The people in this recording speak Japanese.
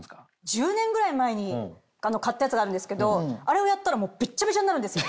１０年ぐらい前に買ったやつがあるんですけどあれをやったらもうべっちゃべちゃになるんですよ